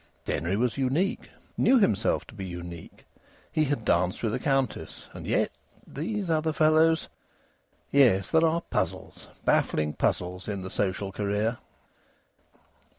Denry was unique, knew himself to be unique; he had danced with a countess, and yet... these other fellows!... Yes, there are puzzles, baffling puzzles, in the social career.